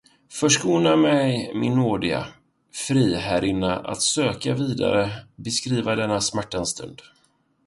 Förskona mig min nådiga Friherrinna att söka vidare beskriva denna smärtans stund.